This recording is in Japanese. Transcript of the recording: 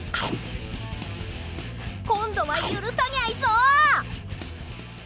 今度は許さにゃいぞ！